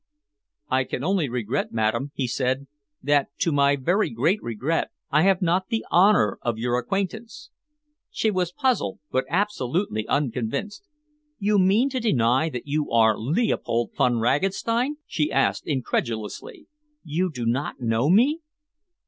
"I can only repeat, madam," he said, "that to my very great regret I have not the honour of your acquaintance." She was puzzled, but absolutely unconvinced. "You mean to deny that you are Leopold Von Ragastein?" she asked incredulously. "You do not know me?"